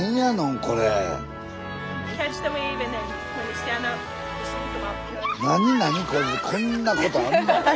これこんなことあんの？